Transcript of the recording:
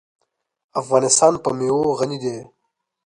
افغانستان په مېوې غني دی.